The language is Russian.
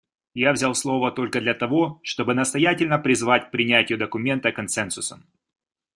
Я взял слово только для того, чтобы настоятельно призвать к принятию документа консенсусом.